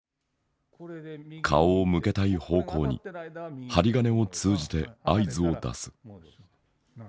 顔を向けたい方向に針金を通じて合図を出す。